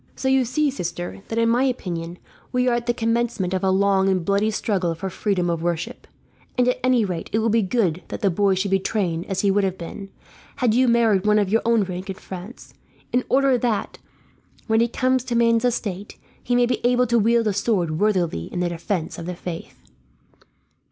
"So you see, sister, that in my opinion we are at the commencement of a long and bloody struggle for freedom of worship; and at any rate it will be good that the boy should be trained as he would have been, had you married one of your own rank in France; in order that, when he comes to man's estate, he may be able to wield a sword worthily in the defence of the faith.